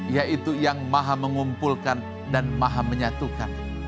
yaitu yang maha mengumpulkan dan maha menyatukan